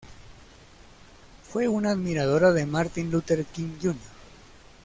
Fue una admiradora de Martin Luther King, Jr.